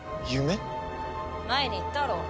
前に言ったろう。